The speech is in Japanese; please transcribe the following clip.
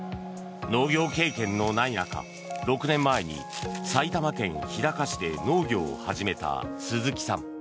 農業経験のない中、６年前に埼玉県日高市で農業を始めた鈴木さん。